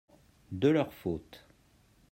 de leur faute.